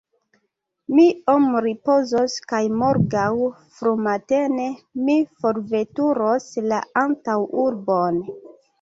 Mi iom ripozos kaj morgaŭ frumatene mi forveturos la antaŭurbon.